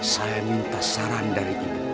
saya minta saran dari ibu